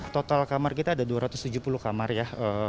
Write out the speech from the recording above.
total kamar kita ada dua ratus tujuh puluh kamar ya